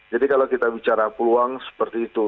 jadi kalau kita bicara peluang seperti itu